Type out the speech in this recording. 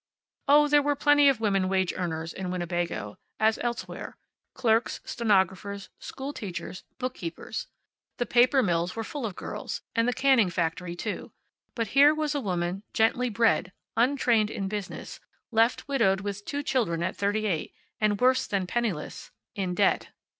Oh, there were plenty of women wage earners in Winnebago, as elsewhere; clerks, stenographers, school teachers, bookkeepers. The paper mills were full of girls, and the canning factory too. But here was a woman gently bred, untrained in business, left widowed with two children at thirty eight, and worse than penniless in debt.